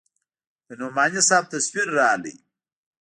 د نعماني صاحب تصوير راغى.